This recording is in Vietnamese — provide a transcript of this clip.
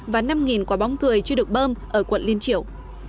và năm quả bóng cười chưa được bơm ở quận liên triều